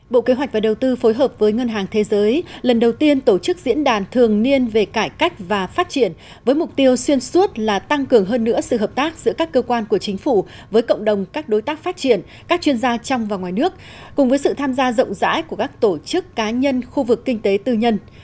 bộ kế hoạch và đầu tư phối hợp với ngân hàng thế giới lần đầu tiên tổ chức diễn đàn thường niên về cải cách và phát triển với mục tiêu xuyên suốt là tăng cường hơn nữa sự hợp tác giữa các cơ quan của chính phủ với cộng đồng các đối tác phát triển các chuyên gia trong và ngoài nước cùng với sự tham gia rộng rãi của các tổ chức cá nhân khu vực kinh tế tư nhân